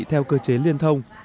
theo cơ chế liên thông